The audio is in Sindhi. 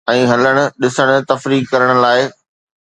۽ هلڻ، ڏسڻ، تفريح ڪرڻ لاءِ